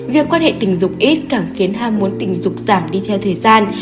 việc quan hệ tình dục ít càng khiến ham muốn tình dục giảm đi theo thời gian